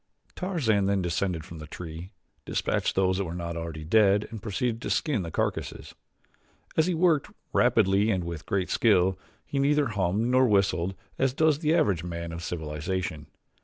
Tarzan then descended from the tree, dispatched those that were not already dead and proceeded to skin the carcasses. As he worked, rapidly and with great skill, he neither hummed nor whistled as does the average man of civilization.